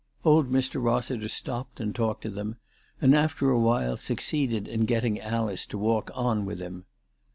Old Mr. Hossiter stopped and talked to them, and after awhile succeeded in getting Alice to walk on with him.